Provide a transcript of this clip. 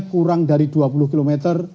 kurang dari dua puluh km